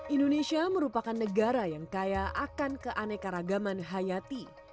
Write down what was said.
indonesia merupakan negara yang kaya akan keanekaragaman hayati